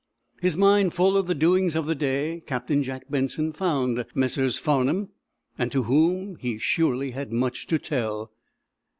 His mind full of the doings of the day, Captain Jack Benson found Messrs. Farnum and to whom he surely had much to tell.